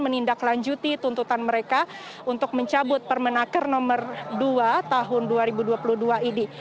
menindaklanjuti tuntutan mereka untuk mencabut permenaker nomor dua tahun dua ribu dua puluh dua ini